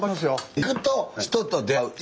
行くと人と出会う。